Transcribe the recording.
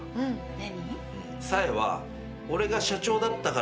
何？